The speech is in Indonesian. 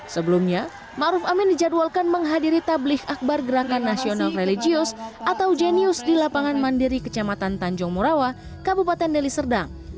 sebelumnya ma'ruf amin dijadwalkan menghadiri tabligh akbar gerakan nasional religius atau jenius di lapangan mandiri kecamatan tanjung morawa kabupaten deliserdang